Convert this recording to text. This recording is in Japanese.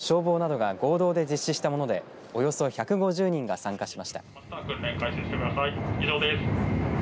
訓練はＪＲ西日本や警察消防などが合同で実施したものでおよそ１５０人が参加しました。